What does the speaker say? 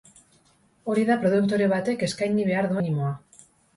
Hori da produktore batek eskaini behar duen minimoa.